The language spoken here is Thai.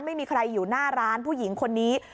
ไม่มีใครอยู่หน้าร้านผู้หญิงคนนี้